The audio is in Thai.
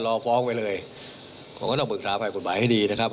ใช่ค่ะบอกว่าตากับใจคนละส่วนกันค่ะ